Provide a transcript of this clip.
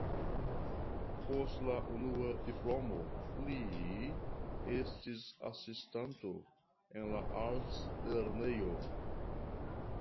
Post la unua diplomo li estis asistanto en la altlernejo.